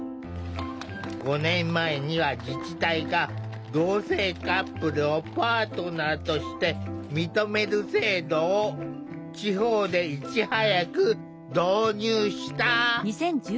５年前には自治体が同性カップルをパートナーとして認める制度を地方でいち早く導入した。